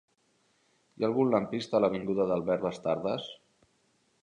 Hi ha algun lampista a l'avinguda d'Albert Bastardas?